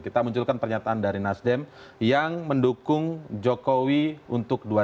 kita munculkan pernyataan dari nasdem yang mendukung jokowi untuk dua ribu dua puluh